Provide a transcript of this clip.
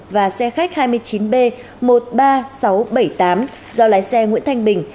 và xe khách hai mươi chín b một mươi ba nghìn sáu trăm bảy mươi tám do lái xe nguyễn thanh bình